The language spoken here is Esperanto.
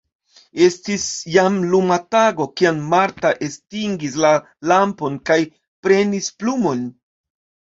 Estis jam luma tago, kiam Marta estingis la lampon kaj prenis plumon.